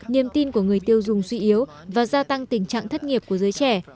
niềm tin của người tiêu dùng suy yếu và gia tăng tình trạng thất nghiệp của giới trẻ